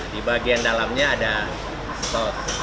di bagian dalamnya ada stop